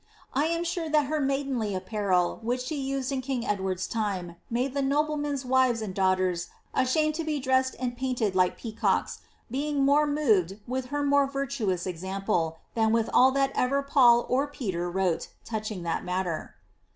I am sure that her nuiidenly apparel which she used in king Edward's time made the noblemen's wives and daughters ashamed to be dressed and painted like peacocks, being more moved with her most virtuous example, than with all that ever Paul or Peter wrote, touching that matter."